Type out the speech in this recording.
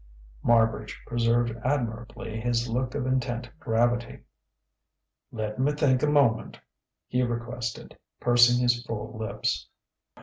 Marbridge preserved admirably his look of intent gravity. "Let me think a moment," he requested, pursing his full lips.